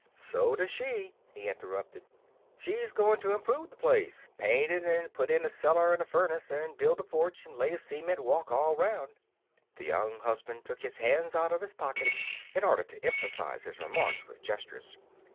"So does she," he interrupted. "She's going to improve the place paint it, and put in a cellar and a furnace, and build a porch, and lay a cement walk all round." The Young Husband took his hands out of his pockets in order to emphasize his remarks with gestures.